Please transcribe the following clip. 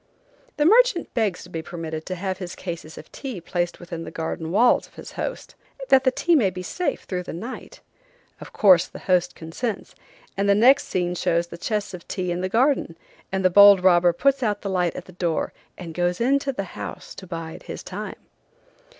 The merchant begs to be permitted to have his cases of tea placed within the garden walls of his host, that the tea may be safe through the night. Of course the host consents, and the next scene shows the chests of tea in the garden, and the bold robber puts out the light at the door and goes into the house to bide his time.